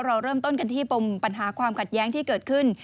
เราเริ่มต้นกันที่ปมปัญหาความขัดแย้งที่เกิดขึ้น